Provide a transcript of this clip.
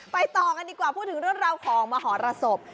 ต่อกันดีกว่าพูดถึงเรื่องราวของมหรสบ